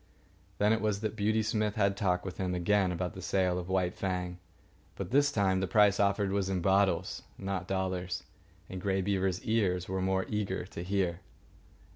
Then it was that Beauty Smith had talk with him again about the sale of White Fang; but this time the price offered was in bottles, not dollars, and Grey Beaver's ears were more eager to hear.